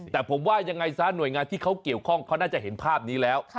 แต่ผมว่ายังไงซะหน่วยงานที่เขาเกี่ยวข้องเขาน่าจะเห็นภาพนี้แล้ว